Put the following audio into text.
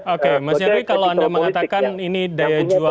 oke mas nyarwi kalau anda mengatakan ini daya jual